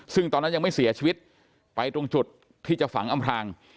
ซึ่งตอนนั้นยังไม่เสียชีวิตไปตรงจุดที่จะฝังอำพลาง